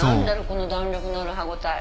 この弾力のある歯応え